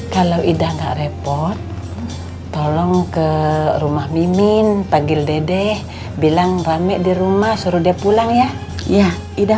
kalau ida nggak repot tolong ke rumah mimin panggil dede bilang rame di rumah suruh dia pulang ya ya ida